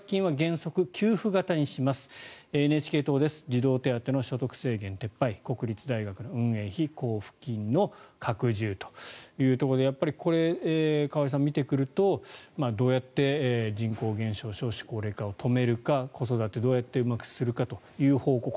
児童手当の所得制限撤廃国立大学の運営費交付金の拡充ということでやっぱり河合さん、見てくるとどうやって人口減少少子高齢化を止めるか子育てをどうやってうまくするかという方向